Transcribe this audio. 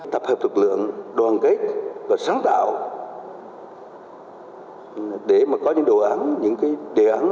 tập hợp thực lượng đoàn kết và sáng tạo để mà có những đề án